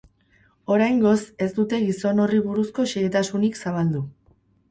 Oraingoz ez dute gizon horri buruzko xehetasunik zabaldu.